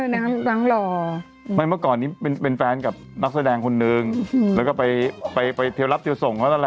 เน่านั้นน้องหล่อไม่เมื่อก่อนนี้เป็นแฟนกับนักแสดงคนนึงอือแล้วก็ไปไปเพียวรับเพียวส่งเขาและแหละ